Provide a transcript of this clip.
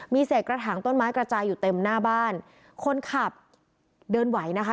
มีเศษกระถางต้นไม้กระจายอยู่เต็มหน้าบ้านคนขับเดินไหวนะคะ